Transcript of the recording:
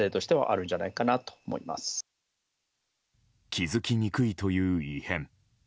気づきにくいという異変。